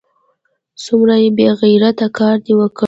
څومره بې غیرته کار دې وکړ!